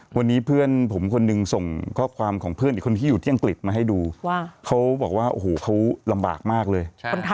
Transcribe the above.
วันนี้เพื่อนผมคนหนึ่งส่งข้อความของเพื่อนอีกคนที่อยู่ที่อังกฤษมาให้ดูว่าเขาบอกว่าโอ้โหเขาลำบากมากเลย